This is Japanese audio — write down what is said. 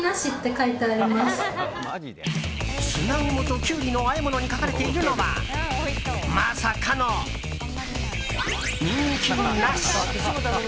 砂肝とキュウリの和え物に書かれているのはまさかの、人気なし。